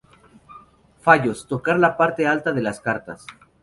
Fallos: Tocar la parte alta de las cartas.